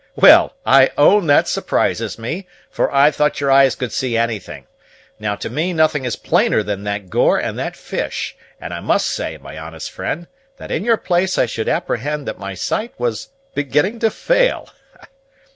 Well, I own that surprises me, for I thought your eyes could see anything! Now to me nothing is plainer than that gore and that fish; and I must say, my honest friend, that in your place I should apprehend that my sight was beginning to fail."